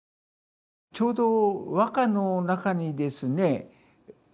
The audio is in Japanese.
ちょうど和歌の中にですね